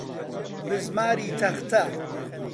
بزماری تەختە.